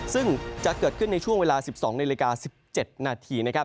ซึ่งจะเกิดขึ้นในช่วงเวลา๑๒น๑๗น